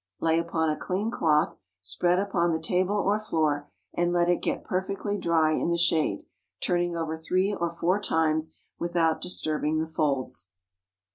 Lay upon a clean cloth, spread upon the table or floor, and let it get perfectly dry in the shade, turning over three or four times without disturbing the folds.